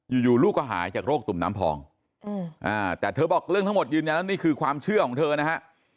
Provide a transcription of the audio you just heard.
อยู่ลูกก็หายจากโรคตุ่มน้ำพองแต่เธอบอกเรื่องทั้งหมดยืนยันแล้วนี่คือความเชื่อของเธอนะฮะ